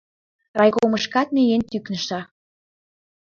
Райкомышкат миен тӱкнышна.